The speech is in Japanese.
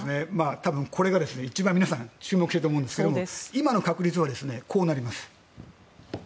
多分、これが一番皆さん注目してると思うんですけど今の確率はこうなります。